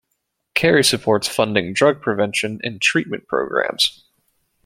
Kerry supports funding drug prevention and treatment programs.